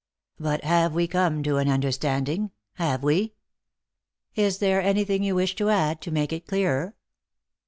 " But have we come to an understanding ?— have we ?"" Is there anything you wish to add, to make it clearer?"